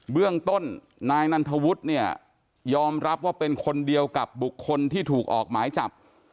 เรื่องต้นนายนันทวุฒิเนี่ยยอมรับว่าเป็นคนเดียวกับบุคคลที่ถูกออกหมายจับ